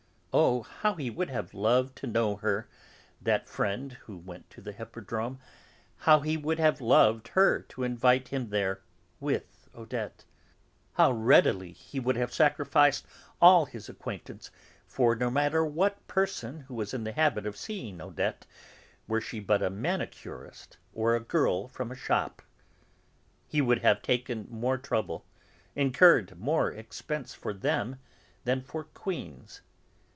Oh! how he would have loved to know her, that friend who went to the Hippodrome, how he would have loved her to invite him there with Odette. How readily he would have sacrificed all his acquaintance for no matter what person who was in the habit of seeing Odette, were she but a manicurist or a girl out of a shop. He would have taken more trouble, incurred more expense for them than for queens.